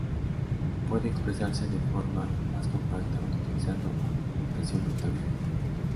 Puede expresarse de forma más compacta utilizando notación vectorial.